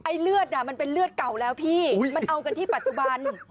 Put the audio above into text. เลือดน่ะมันเป็นเลือดเก่าแล้วพี่มันเอากันที่ปัจจุบัน